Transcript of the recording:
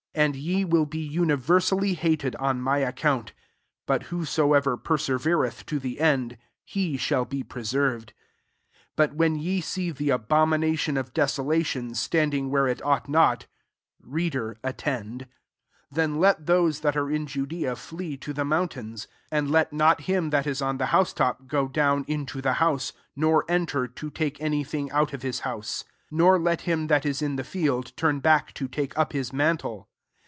13 And ye will be universally hated on my account ; but who soever persevereth to the end, he shall be preserved. 14 « But when ye see the abomination of desolation,8tand ing where it ought not, (Reader, attend !) then let those that are in Judea flee to the mountains : 15 and let not him that is on the house top, go down into the house, nor enter, to take any thing out of his house. 16 Nor let him that is in the field, turn back to take up his mantle.